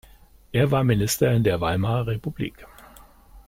Er war Minister in der Weimarer Republik.